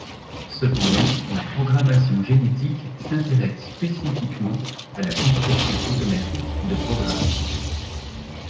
Cependant, la programmation génétique s'intéresse spécifiquement à la construction automatique de programmes.